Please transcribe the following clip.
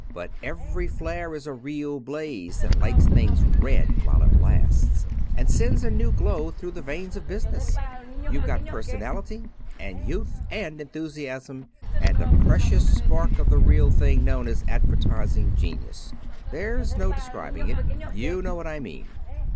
But every flare is a real blaze that lights things red while it lasts, and sends a new glow through the veins of business. You've got personality, and youth, and enthusiasm, and a precious spark of the real thing known as advertising genius. There's no describing it. You know what I mean.